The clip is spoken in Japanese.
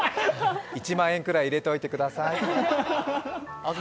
１万円ぐらい入れておいてください。